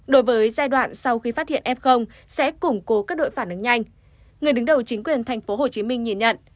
đối với giai đoạn sau khi phát hiện f sẽ củng cố các đội phản ứng nhanh người đứng đầu chính quyền thành phố hồ chí minh nhìn nhận